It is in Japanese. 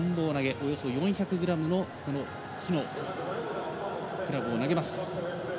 およそ４００ｇの木のクラブを投げます。